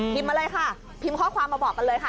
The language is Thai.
มาเลยค่ะพิมพ์ข้อความมาบอกกันเลยค่ะ